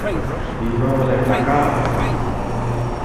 বিমলা বললে, টাকা?